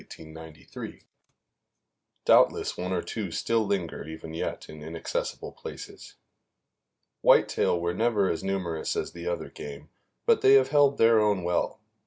Doubtless one or two still linger even yet in inaccessible places. Whitetail were never as numerous as the other game, but they have held their own well.